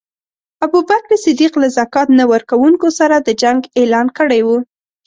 ابوبکر صدیق له ذکات نه ورکونکو سره د جنګ اعلان کړی وو.